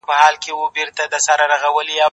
زه به سبا سبزیجات تياروم وم،